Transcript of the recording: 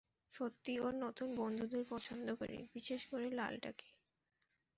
সত্যিই ওর নতুন বন্ধুদের পছন্দ করি, বিশেষ করে লালটাকে।